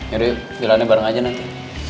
yaudah yuk jalanin bareng aja nanti